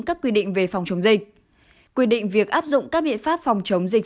các quy định về phòng chống dịch quy định việc áp dụng các biện pháp phòng chống dịch